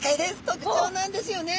特徴なんですよね。